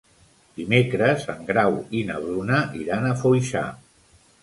Dimecres en Grau i na Bruna iran a Foixà.